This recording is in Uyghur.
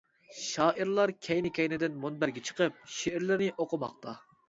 شائىرلار كەينى-كەينىدىن مۇنبەرگە چىقىپ، شېئىرلىرىنى ئوقۇماقتا.